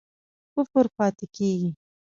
کفر پاتی کیږي؟